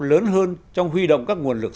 lớn hơn trong huy động các nguồn lực